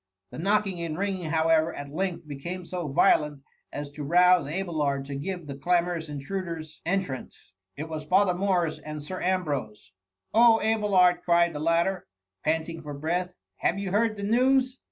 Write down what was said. The knocking and ringing, how ever, at length became so violent, as to rouse Abelard to give the clamorous intruders en trance. It was Father Morris and Sir Am brose. " Oh, Abelard !" cried the latter, panting for breath ;" have you heard the news